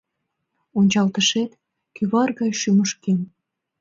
Ончалтышет — кӱвар гай шӱмышкем.